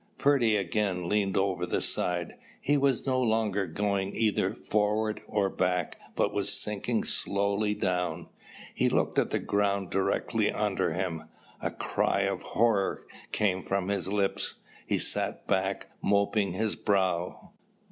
Purdy again leaned over the side. He was no longer going either forward or back but was sinking slowly down. He looked at the ground directly under him. A cry of horror came from his lips. He sat back mopping his brow.